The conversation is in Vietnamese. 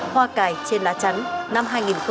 hoa cải trên lá trắng năm hai nghìn hai mươi ba